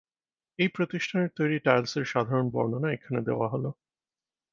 এই প্রতিষ্ঠানের তৈরি টাইলসের সাধারণ বর্ণনা এখানে দেওয়া হলো।